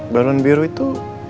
balon biru itu